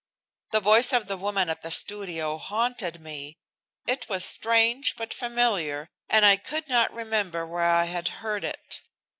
The voice of the woman at the studio haunted me. It was strange, but familiar, and I could not remember where I had heard it.